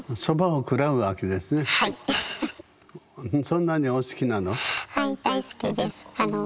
そんなにお好きなの？